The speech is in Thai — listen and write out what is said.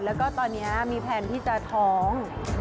แล้วก็ตอนนี้มีแพลนที่จะท้อง